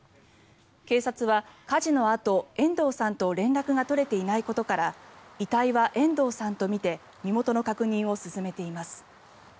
警察は、火事のあと遠藤さんと連絡が取れていないことから遺体は遠藤さんとみて身元の確認を進めています。